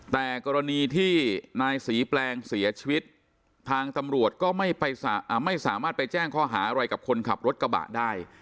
แต่กรณีที่นายศรีแปลงเสียชีวิตทางตำรวจก็ไม่สามารถไปแจ้งข้อหาอะไรกับคนขับรถกระบะได้